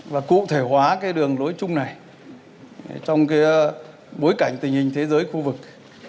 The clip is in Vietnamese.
và cụ thể hóa đường lối chung này trong bối cảnh tình hình thế giới khu vực